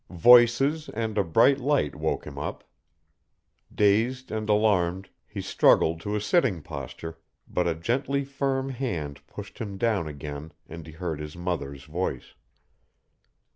Voices and a bright light woke him up. Dazed and alarmed, he struggled to a sitting posture, but a gently firm hand pushed him down again and he heard his mother's voice.